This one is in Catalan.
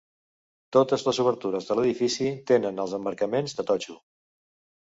Totes les obertures de l'edifici tenen els emmarcaments de totxo.